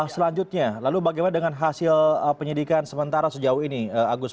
selanjutnya lalu bagaimana dengan hasil penyidikan sementara sejauh ini agus